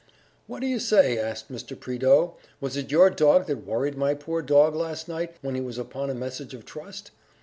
"What do you say?" asked Mr. Prideaux ... "Was it your dog that worried my poor dog last night, when he was upon a message of trust?